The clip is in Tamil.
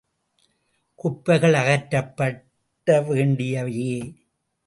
குப்பைகள் அகற்றப்பட வேண்டியவையே!